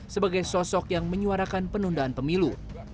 sebagai sosok yang menyuarakan penundaan pemilu